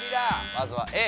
まずはＡ。